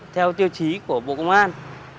theo tiêu chí của bộ công an